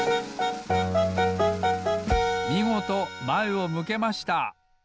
みごとまえを向けました！